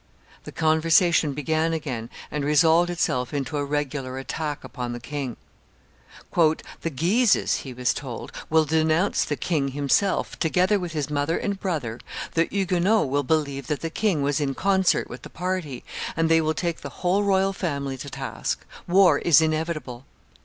The conversation began again, and resolved itself into a regular attack upon the king. "The Guises," he was told, "will denounce the king himself, together with his mother and brother; the Huguenots will believe that the king was in concert with the party, and they will take the whole royal family to task. War is inevitable.